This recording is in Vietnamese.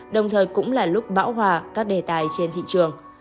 đồng thời cũng là lúc bão hòa các đề tài trên thị trường